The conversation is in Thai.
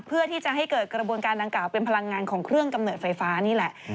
เพื่อที่จะให้เกิดกระบวนการดังกล่าเป็นพลังงานของเครื่องกำเนิดไฟฟ้านี่แหละ